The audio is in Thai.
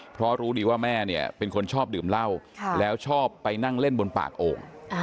เพราะรู้ดีว่าแม่เนี่ยเป็นคนชอบดื่มเหล้าแล้วชอบไปนั่งเล่นบนปากโอ่ง